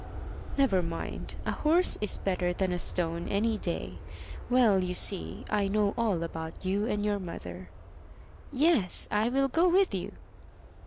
"Never mind. A horse is better than a stone any day. Well, you see, I know all about you and your mother." "Yes. I will go with you."